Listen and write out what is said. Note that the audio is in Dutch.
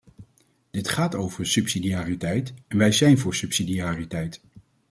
Dit gaat over subsidiariteit en wij zijn voor subsidiariteit.